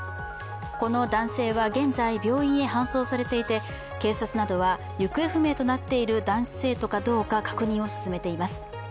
この男性は現在、病院へ搬送されていて警察などは行方不明となっている男子生徒かどうか確認を進めています。